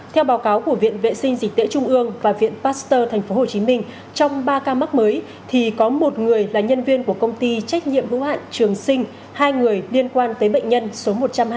theo báo cáo của viện vệ sinh dịch tễ trung ương và viện pasteur tp hcm trong ba ca mắc mới thì có một người là nhân viên của công ty trách nhiệm hữu hạn trường sinh hai người liên quan tới bệnh nhân số một trăm hai mươi